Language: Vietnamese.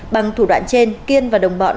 bằng thủ đoạn trên kiên và đồng bọn